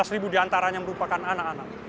lima belas ribu diantaranya merupakan anak anak